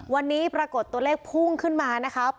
วันนี้ปรากฏตัวเลขพุ่งขึ้นมานะครับ